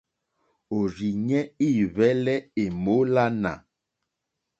Òrzìɲɛ́ î hwɛ́lɛ́ èmólánà.